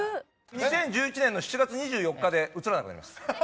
２０１１年の７月２４日で映らなくなります。